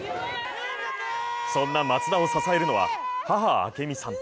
そんな松田を支えるのは母・明美さん。